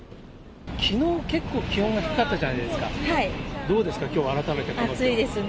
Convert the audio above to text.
きのう、結構気温が低かったじゃないですか。